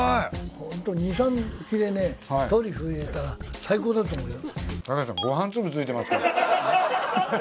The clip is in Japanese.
ホント２３切れトリュフ入れたら最高だと思うよ。